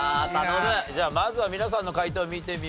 じゃあまずは皆さんの解答見てみましょう。